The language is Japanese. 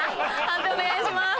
判定お願いします。